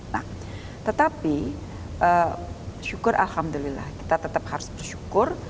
nah tetapi syukur alhamdulillah kita tetap harus bersyukur